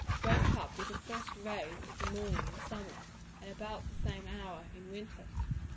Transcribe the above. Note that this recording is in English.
Wake with the first rays of the morning in summer, and about the same hour in winter.